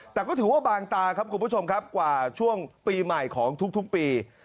แต่ก็ถือว่าบางตาครับคุณผู้ชมครับกว่าช่วงปีใหม่ของทุกปี